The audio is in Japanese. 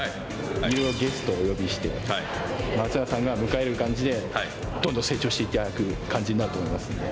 いろいろゲストをお呼びして松坂さんが迎える感じでどんどん成長していただく感じになると思いますので。